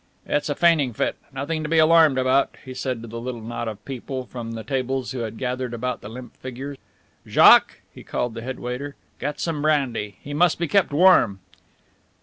"It's a fainting fit, nothing to be alarmed about," he said to the little knot of people from the tables who had gathered about the limp figure. "Jaques" he called the head waiter "get some brandy, he must be kept warm."